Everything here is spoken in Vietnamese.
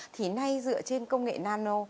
thì nay dựa trên công nghệ nano